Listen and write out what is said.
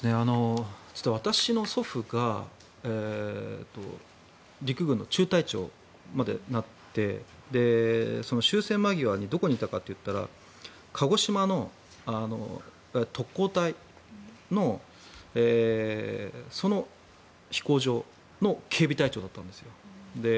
私の祖父が陸軍の中隊長までなって終戦間際にどこにいたかというと鹿児島の特攻隊のその飛行場の警備隊長だったんですよ。